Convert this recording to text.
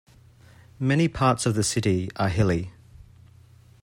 Many parts of the city are hilly.